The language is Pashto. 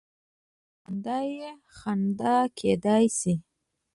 نو خندا یې خنډ کېدای شي.